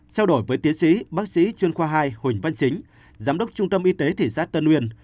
sau đổi với tiến sĩ bác sĩ chuyên khoa hai huỳnh văn chính giám đốc trung tâm y tế thị xác tân nguyên